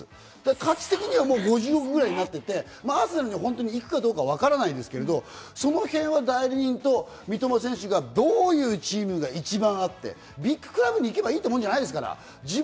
価値的には５０億ぐらいになってて、アーセナルに行くかどうかはわからないですけど、そのへんは代理人と三笘選手がどういうチームが一番合って、ビッグクラブに行けばいいってもんじゃないですから。